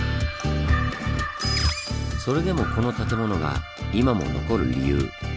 それでもこの建物が今も残る理由。